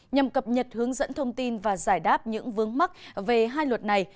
nhằm cập nhật hướng dẫn thông tin và giải đáp những vướng mắc về hai luật này